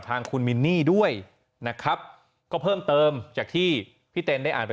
ทางคุณมินนี่ด้วยนะครับก็เพิ่มเติมจากที่พี่เต้นได้อ่านไป